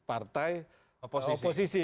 untuk mencari partai oposisi